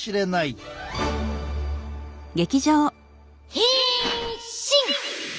変身！